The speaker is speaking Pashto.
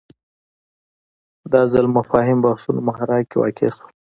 دا ځل مفاهیم بحثونو محراق کې واقع شول